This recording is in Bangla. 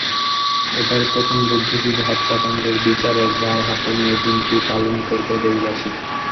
এবারই প্রথম বুদ্ধিজীবী হত্যাকাণ্ডের বিচারের রায় হাতে নিয়ে দিনটি পালন করবে দেশবাসী।